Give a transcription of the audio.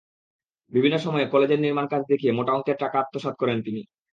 বিভিন্ন সময়ে কলেজের নির্মাণকাজ দেখিয়ে মোটা অঙ্কের টাকা আত্মসাৎ করেন তিনি।